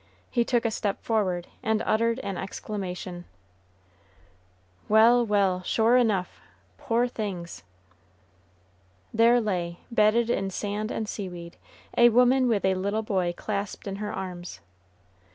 He took a step forward, and uttered an exclamation, "Well, well! sure enough! poor things!" There lay, bedded in sand and seaweed, a woman with a little boy clasped in her arms!